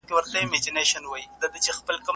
ښځې په زګیروي سره ریموټ کنټرول د میز پر سر کېښود.